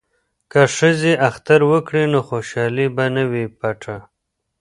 که ښځې اختر وکړي نو خوشحالي به نه وي پټه.